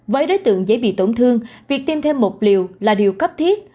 với đối tượng dễ bị tổn thương việc tiêm thêm một liều là điều cấp thiết